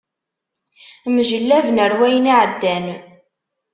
Mjellaben ar wayen iɛeddan.